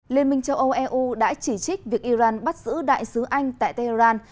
liên minh châu âu eu đã chỉ trích việc iran bắt giữ đại sứ anh tại tehran